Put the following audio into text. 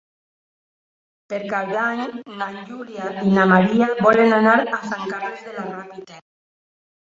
Per Cap d'Any na Júlia i na Maria volen anar a Sant Carles de la Ràpita.